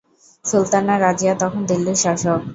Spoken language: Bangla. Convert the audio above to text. সুলতানা রাজিয়া তখন দিল্লীর শাসক।